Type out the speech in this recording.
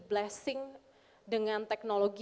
blessing dengan teknologi